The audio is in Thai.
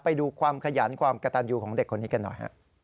ไปดูความขยันความกระตันยูของเด็กคนนี้กันหน่อยฮะ